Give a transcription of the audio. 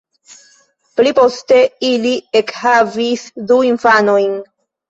Pliposte ili ekhavis du infanojn.